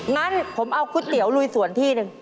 งั้นผมเอาก๋วยเตี๋ยวลุยสวนที่หนึ่ง